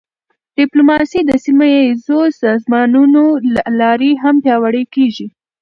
ډیپلوماسي د سیمهییزو سازمانونو له لارې هم پیاوړې کېږي.